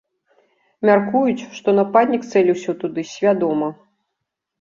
Мяркуюць, што нападнік цэліўся туды свядома.